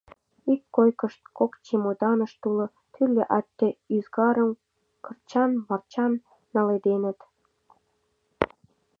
Ик койкышт, кок чемоданышт уло, тӱрлӧ ате-ӱзгарым кырчан-марчан наледеныт.